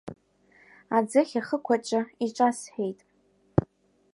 Аӡыхь ахықәаҿы иҿасҳәеит…